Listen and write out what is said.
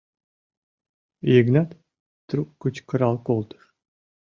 — Йыгнат трук кычкырал колтыш.